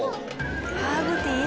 「ハーブティー？」